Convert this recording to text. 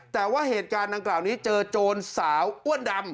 แต่ว่าเหตุการณ์ของเจอโจรสาวอ้วนดำ